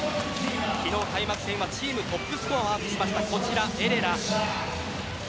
昨日、開幕戦チームトップスコアをマークしたエレラ。